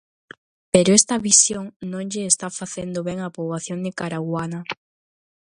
Pero esta visión non lle está facendo ben á poboación nicaraguana.